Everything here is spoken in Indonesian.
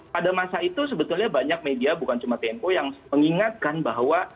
pada masa itu sebetulnya banyak media bukan cuma tmpo yang mengingatkan bahwa